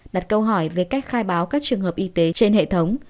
đặt câu hỏi về cách khai báo các trường hợp y tế trên hệ thống